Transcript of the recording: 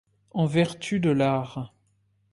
En vertu de l'art.